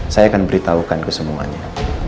saya akan beritahukan kesemuanya